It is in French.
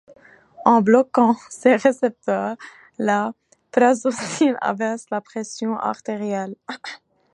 En bloquant ces récepteurs, la prazosine abaisse la pression artérielle.